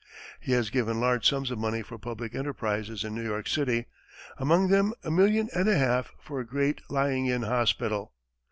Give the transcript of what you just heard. He has given large sums of money for public enterprises in New York City, among them a million and a half for a great lying in hospital.